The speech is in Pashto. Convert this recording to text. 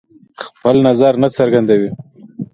خپل نظر نه څرګندوي.